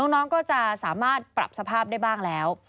น้องก็จะสามารถปรับสภาพได้บ้างแล้ว